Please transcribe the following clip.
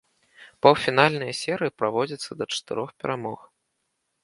Паўфінальныя серыі праводзяцца да чатырох перамог.